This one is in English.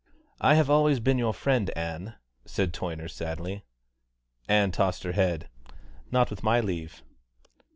"I have always been your friend, Ann," said Toyner sadly. Ann tossed her head. "Not with my leave."